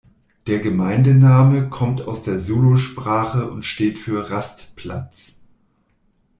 Der Gemeindename kommt aus der Zulu-Sprache und steht für „Rastplatz“.